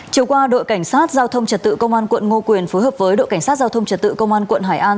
chiều qua đội cảnh sát giao thông trật tự công an quận ngô quyền phối hợp với đội cảnh sát giao thông trật tự công an quận hải an